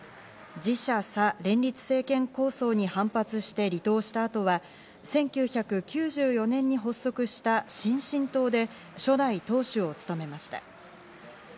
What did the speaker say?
「自社さ連立政権構想」に反発して離党した後は、１９９４年に発足した新進党で初代党首を務めました。